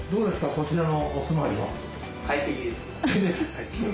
こちらのお住まいは。